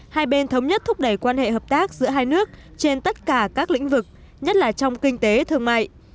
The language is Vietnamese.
hai bên thống nhất thúc đẩy quan hệ hợp tác giữa hai nước trên tất cả các lĩnh vực nhất là trong kinh tế thương mại